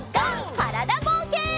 からだぼうけん。